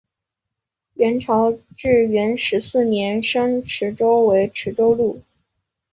元朝至元十四年升池州为池州路。